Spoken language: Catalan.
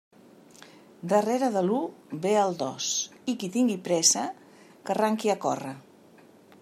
Darrere de l'u ve el dos, i qui tinga pressa que arranque a córrer.